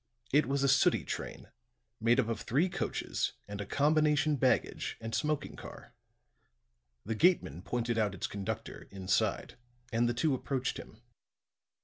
It was a sooty train, made up of three coaches and a combination baggage and smoking car. The gateman pointed out its conductor, inside, and the two approached him.